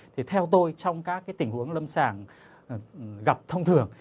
thì theo tôi trong các tình huống lâm sàng gặp thông thường